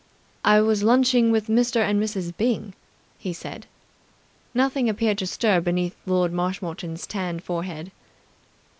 "I was lunching with Mr. and Mrs. Byng," he said. Nothing appeared to stir beneath Lord Marshmoreton's tanned forehead.